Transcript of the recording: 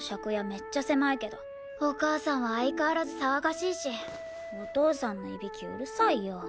めっちゃ狭いけどお母さんは相変わらず騒がしいしお父さんのいびきうるさいよ。